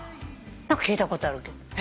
何か聞いたことあるけど。